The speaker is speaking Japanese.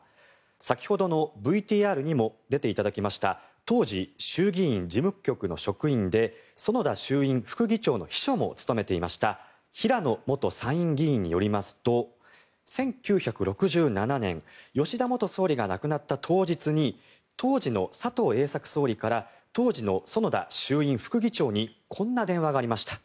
先ほどのＶＴＲにも出ていただきました当時、衆議院事務局の職員で園田衆院副議長の秘書を務めていました平野元参院議員によりますと１９６７年、吉田元総理が亡くなった当日に当時の佐藤栄作総理から当時の園田衆院副議長にこんな電話がありました。